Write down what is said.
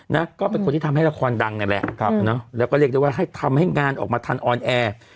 นะก็เป็นคนที่ทำให้ละครดังนั่นแหละแล้วก็เรียกได้ว่าให้ทำให้งานออกมาทันออนแอร์